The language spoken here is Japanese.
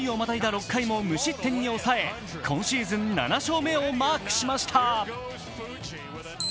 ６回も無失点に抑え今シーズン７勝目をマークしました。